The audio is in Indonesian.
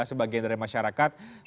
sebagian dari masyarakat